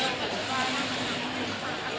อยากห้อมให้นะครับ